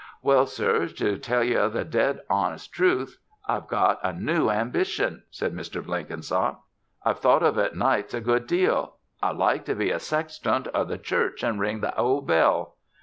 "Well, sir, to tell ye the dead hones' truth, I've got a new ambition," said Mr. Blenkinsop. "I've thought of it nights a good deal. I'd like to be sextunt o' the church an' ring that ol' bell."